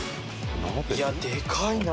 いやでかいな。